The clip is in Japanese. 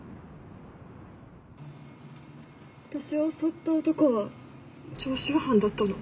私を襲った男は常習犯だったの。